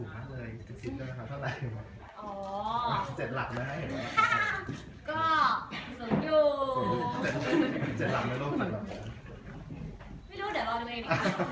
ไม่รู้เดี๋ยวรอเครือนี้เดี๋ยว